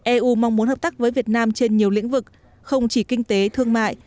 eu mong muốn hợp tác với việt nam trên nhiều lĩnh vực không chỉ kinh tế thương mại